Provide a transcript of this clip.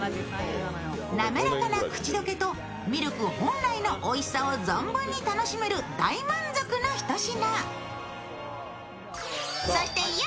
滑らかな口溶けとミルク本来のおいしさを存分に楽しめる大満足のひと品。